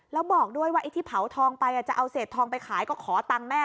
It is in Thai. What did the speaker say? แล้วบอกด้วยว่าไอ้ที่เผาทองไปจะเอาเศษทองไปขายก็ขอตังค์แม่